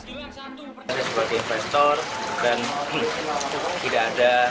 saya sebagai investor dan tidak ada